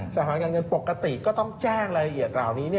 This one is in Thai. สถานการเงินปกติก็ต้องแจ้งรายละเอียดเหล่านี้